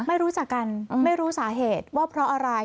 ไม่รู้จักกันไม่รู้สาเหตุว่าเพราะอะไร